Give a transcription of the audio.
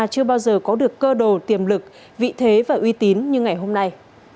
chưa bao giờ có được cơ đồ tiềm lực vị thế và uy tín như ngày hôm nay